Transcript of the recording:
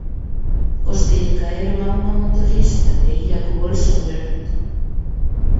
Os que lle caeron a unha motorista que ía co bolso aberto.